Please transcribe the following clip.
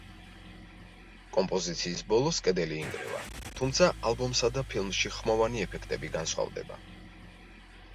კომპოზიციის ბოლოს კედელი ინგრევა, თუმცა ალბომსა და ფილმში ხმოვანი ეფექტები განსხვავდება.